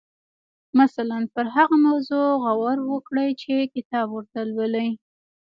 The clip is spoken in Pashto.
مثلاً پر هغه موضوع غور وکړئ چې کتاب ورته لولئ.